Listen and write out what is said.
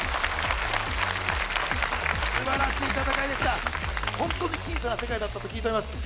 素晴らしい戦いでしたホントに僅差な世界だったと聞いております